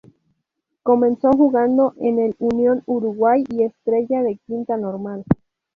Comenzó jugando en el Unión Uruguay y Estrella de Quinta Normal.